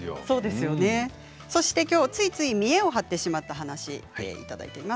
そして、きょうついつい見えを張ってしまった話いただいています。